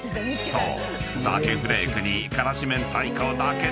そう。